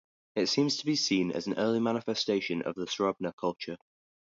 It seems to be seen as an early manifestation of the Srubna culture.